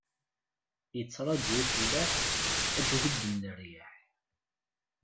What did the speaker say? Ittṛaǧu ufellaḥ, ad d-hubben leryaḥ.